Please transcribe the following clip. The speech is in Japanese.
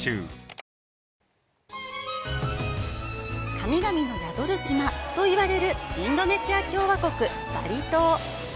神々の宿る島と言われるインドネシア共和国・バリ島。